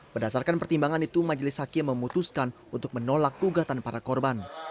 berdasarkan pertimbangan itu majelis hakim memutuskan untuk menolak gugatan para korban